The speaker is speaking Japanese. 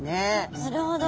なるほど。